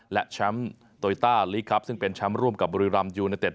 และแชมป์โตยต้าซึ่งเป็นแชมป์ร่วมกับบริรัมยูเนตเต็ด